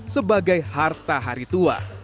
sebagai harta hari tua